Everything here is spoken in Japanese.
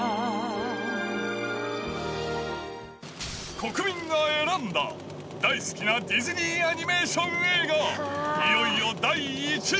国民が選んだ大好きなディズニーアニメーション映画、いよいよ第１位。